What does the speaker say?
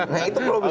nah itu perlu bisa